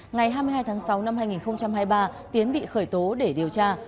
ngày hai mươi hai tháng sáu năm hai nghìn hai mươi ba tiến bị khởi tố để điều tra